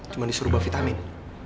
cuma disuruh bawa vitamin